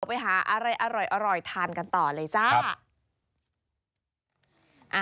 ไปหาอะไรอร่อยทานกันต่อเลยจ้า